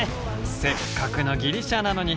せっかくのギリシャなのに。